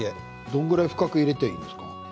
どれぐらい深く入れればいいんですか？